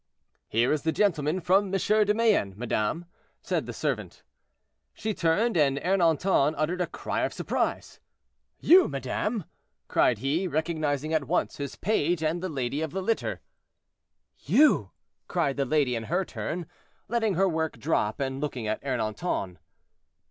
"Here is the gentleman from M. de Mayenne, madame," said the servant. She turned, and Ernanton uttered a cry of surprise. "You, madame!" cried he, recognizing at once his page and the lady of the litter. "You!" cried the lady in her turn, letting her work drop, and looking at Ernanton.